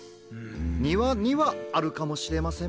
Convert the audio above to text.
「にわ」にはあるかもしれません。